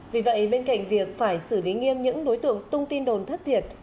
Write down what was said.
vì vậy bên cạnh việc phải xử lý nghiêm những đối tượng tung tin đồn thất thiệt